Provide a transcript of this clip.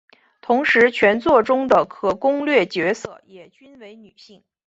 同时全作中的可攻略角色也均为女性。